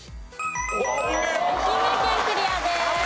愛媛県クリアです。